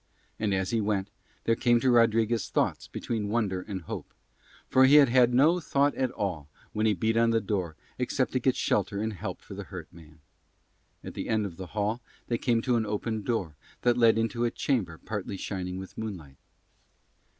And, as he went, there came to Rodriguez thoughts between wonder and hope, for he had had no thought at all when he beat on the door except to get shelter and help for the hurt man. At the end of the hall they came to an open door that led into a chamber partly shining with moonlight.